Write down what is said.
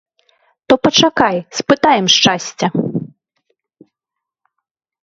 То пачакай, спытаем шчасця!